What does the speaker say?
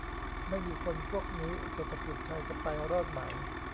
ไม่มีคนพวกนี้ เศรษฐกิจไทยจะไปรอดไหม ?